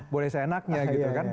boleh seenaknya gitu kan